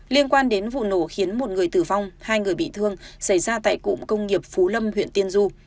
liên quan đến vụ nổ khiến một người tử vong hai người bị thương xảy ra tại cụm công nghiệp phú lâm huyện tiên du